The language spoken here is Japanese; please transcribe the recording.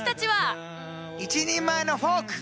一人前のフォーク。